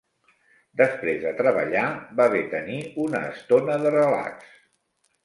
Després de treballar va bé tenir una estona de relax.